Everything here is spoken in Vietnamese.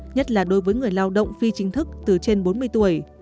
nhất là đối với người lao động phi chính thức từ trên bốn mươi tuổi